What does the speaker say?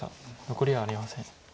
残りはありません。